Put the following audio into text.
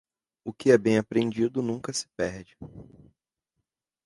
O que é bem aprendido nunca se perde.